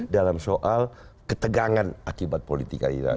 dalam soal ketegangan akibat politika kita